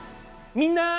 みんな！